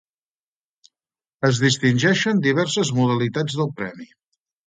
Es distingeixen diverses modalitats del premi.